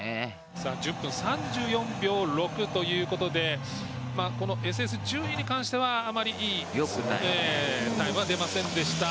１０分３４秒６ということでこのＳＳ１２に関してはあまりいいタイムは出ませんでした。